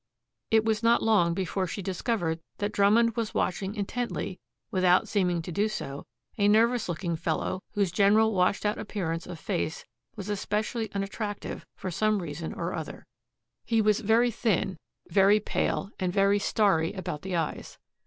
It was not long before she discovered that Drummond was watching intently, without seeming to do so, a nervous looking fellow whose general washed out appearance of face was especially unattractive for some reason or other. He was very thin, very pale, and very stary about the eyes.